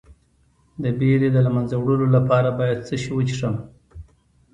د ویرې د له منځه وړلو لپاره باید څه شی وڅښم؟